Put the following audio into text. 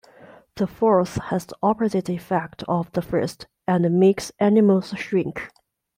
The fourth has the opposite effect of the first and makes animals shrink.